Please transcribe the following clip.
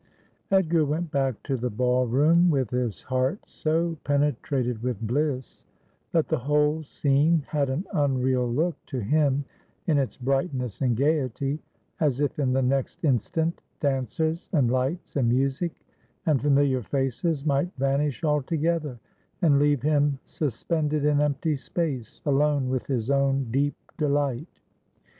Edgar went back to the ball room with his heart so pene trated with bliss, that the whole scene had an unreal look to him in its brightness and gaiety, as if in the next instant dancers, and lights, and music, and familiar faces might vanish altogether, and leave him suspended in empty space, alone with his own deep delight.